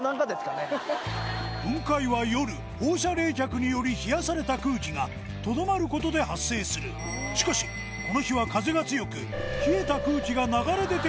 雲海は夜放射冷却により冷やされた空気がとどまることで発生するしかしハハハハ！